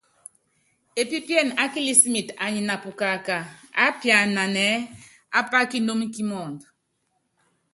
Epípíene á kilísimɛt anyi na pukaka, aápianan ɛ́ɛ́ ápá kinúmu kímɔɔdɔ.